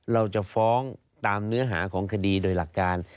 เราจะฟ้องตามเนื้อหาของคดีโดยหลักการ